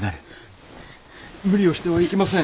無理をしてはいけません。